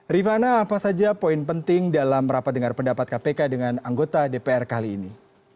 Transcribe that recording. rifana apa saja poin penting dalam rapat dengar pendapat kpk dengan anggota dpr kali ini